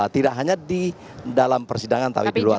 tidak hanya di dalam persidangan tapi di luar